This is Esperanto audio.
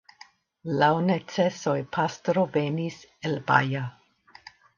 Laŭ necesoj pastro venis el Baja.